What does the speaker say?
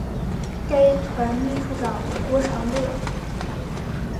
该团秘书长郭长乐。